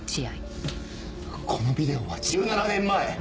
このビデオは１７年前！